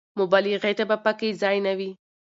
مبالغې ته به په کې ځای نه وي.